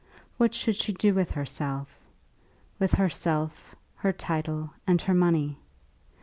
What should she do with herself, with herself, her title, and her money?